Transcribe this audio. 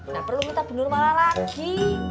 gak perlu minta bundur mala lagi